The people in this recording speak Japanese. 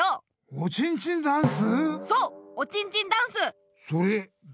「おちんちんダンス」